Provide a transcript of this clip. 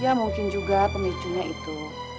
ya mungkin juga pemicunya itu